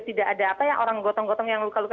tidak ada apa ya orang gotong gotong yang luka luka